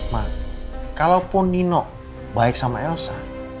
nah kalaupun nino baik sama elsa